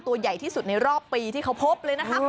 ตัวใหญ่ที่สุดในรอบปีที่เขาพบเลยนะครับ